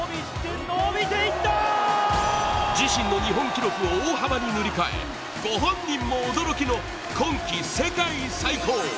自身の日本記録を大幅に塗り替えご本人も驚きの今季世界最高。